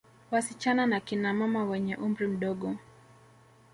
Wasichana na kina mama wenye umri mdogo